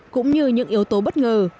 cũng như những yếu tố bất ngờ